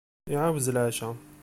Iɛawez leɛca.